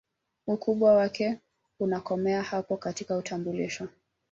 Ukubwa wake unakomea hapo katika utambulisho